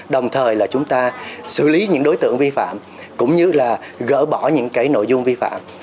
đồng thời chúng ta xử lý những đối tượng vi phạm cũng như gỡ bỏ những nội dung vi phạm